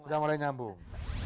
sudah mulai nyambung